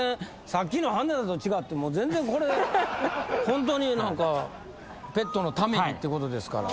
さっきの羽根田と違って全然これホントにペットのためにってことですから。